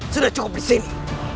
sudah cukup disini